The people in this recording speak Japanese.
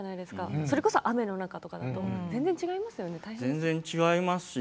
それこそ雨の中だと全然、違いますよね。